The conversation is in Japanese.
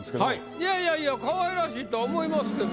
いやいやいや可愛らしいとは思いますけどね。